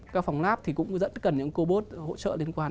các phòng lab thì cũng dẫn cần những cô bốt hỗ trợ liên quan